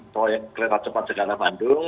proyek kereta cepat jakarta bandung